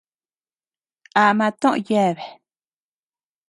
Ama toʼö yeabea.